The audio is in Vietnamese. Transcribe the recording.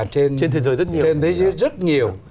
trên thế giới rất nhiều